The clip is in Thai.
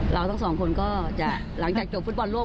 เราทั้งสองคนก็จะหลังจากจบฟุตบอลโลก